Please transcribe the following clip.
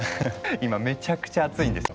今めちゃくちゃ熱いんですよ。